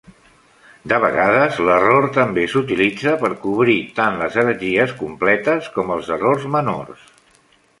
De vegades, l'error també s'utilitza per cobrir tant les heretgies completes com els errors menors.